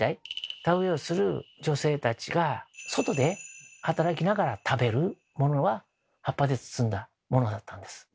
田植えをする女性たちが外で働きながら食べるものが葉っぱで包んだものだったんです。